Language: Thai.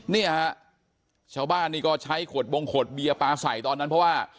เนี่ยฮะชาวบ้านนี่ก็ใช้ขวดบงขวดเบียร์ปลาใส่ตอนนั้นเพราะว่า